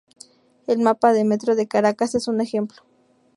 El mapa del Metro de Caracas es un ejemplo.